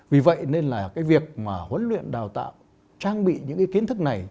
vì vậy nên là cái việc mà huấn luyện đào tạo trang bị những cái kiến thức này